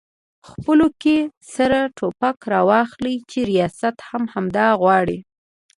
خپلو کې سره ټوپک راواخلي چې ریاست هم همدا غواړي؟